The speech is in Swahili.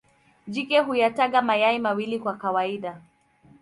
Jike huyataga mayai mawili kwa kawaida.